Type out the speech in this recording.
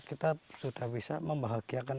kita sudah bisa membahagiakan